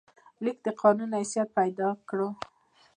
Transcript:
لیک د قانون حیثیت پیدا کړ.